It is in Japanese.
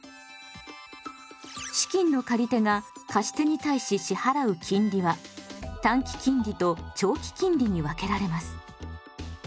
資金の借り手が貸し手に対し支払う金利は短期金利と長期金利に分けられます。